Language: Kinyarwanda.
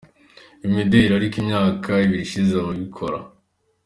imideli ariko imyaka ibiri ishize abikora.